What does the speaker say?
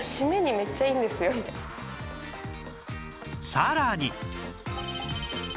さらに